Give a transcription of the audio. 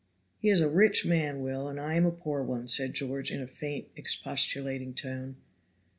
"He is a rich man, Will, and I am a poor one," said George in a faint, expostulating tone.